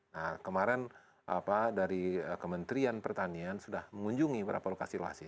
nah kemarin dari kementerian pertanian sudah mengunjungi beberapa lokasi lokasi